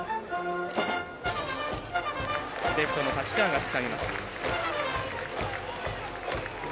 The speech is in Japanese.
レフトの太刀川がつかみます。